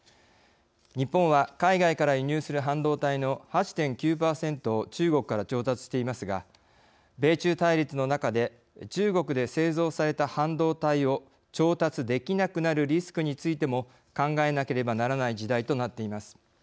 日本は海外から輸入する半導体の８．９％を中国から調達していますが米中対立の中で中国で製造された半導体を調達できなくなるリスクについても考えなければならない時代となっています。